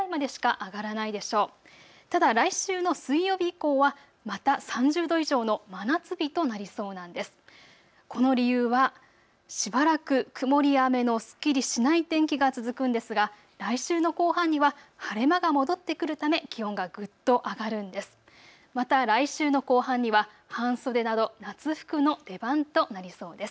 この理由はしばらく曇りや雨のすっきりしない天気が続くんですが、来週の後半には晴れ間が戻ってくるため気温がぐっと上がるんです。